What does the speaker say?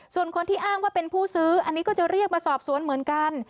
ส่วนคนที่อ้างว่าเป็นผู้ซื้ออันนี้ก็จะเรียกมาสอบสวนเหมือนกัน